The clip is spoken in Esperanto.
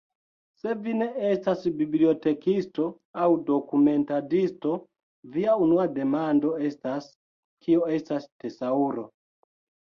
Se vi ne estas bibliotekisto aŭ dokumentadisto, via unua demando estas, kio estas tesaŭro.